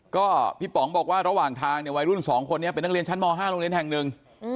ก็พี่ป๋องบอกว่าระหว่างทางเนี่ยวัยรุ่น๒คนนี้เป็นนักเรียนชั้นม๕โรงเรียนแห่งหนึ่ง